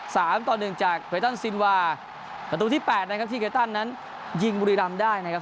สามต่อหนึ่งจากเวตันซินวาประตูที่แปดนะครับที่เกตันนั้นยิงบุรีรำได้นะครับ